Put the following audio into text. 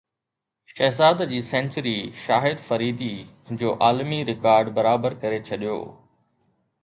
شهزاد جي سينچري شاهد فريدي جو عالمي رڪارڊ برابر ڪري ڇڏيو